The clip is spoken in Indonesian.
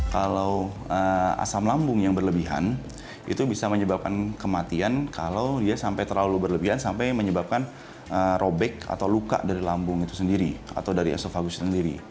kalau asam lambung yang berlebihan itu bisa menyebabkan kematian kalau dia sampai terlalu berlebihan sampai menyebabkan robek atau luka dari lambung itu sendiri atau dari esofagus sendiri